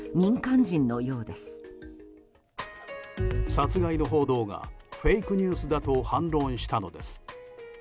殺害の報道がフェイクニュースだと反論したのです。